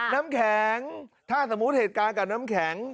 น้ำแข็งถ้าสมมุติเหตุการณ์กับน้ำแข็ง